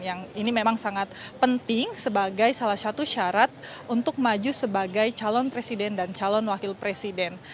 yang ini memang sangat penting sebagai salah satu syarat untuk maju sebagai calon presiden dan calon wakil presiden